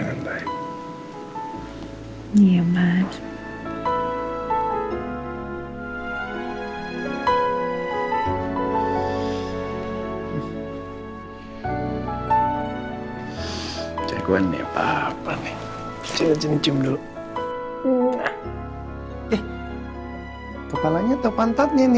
jadi makanya ke katan interpreting